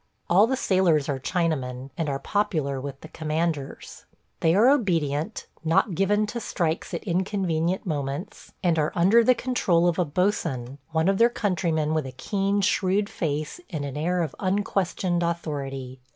All the sailors are Chinamen, and are popular with the commanders. They are obedient, not given to strikes at inconvenient moments, and are under the control of a boatswain, one of their countrymen with a keen, shrewd face and an air of unquestioned authority.